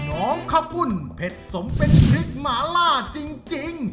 น้องข้าวปุ้นเผ็ดสมเป็นพริกหมาล่าจริง